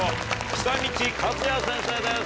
久道勝也先生です。